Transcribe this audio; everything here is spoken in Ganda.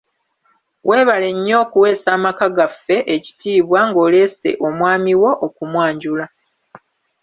Weebale nnyo kuweesa maka gaffe kitiibwa ng'oleese omwami wo okumwanjula.